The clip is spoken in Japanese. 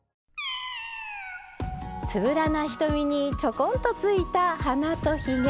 つぶらな瞳にちょこんとついた鼻とひげ。